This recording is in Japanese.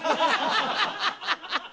ハハハハ！